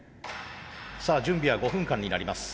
さあ準備は５分間になります。